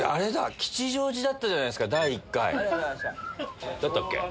吉祥寺だったじゃないですか第１回。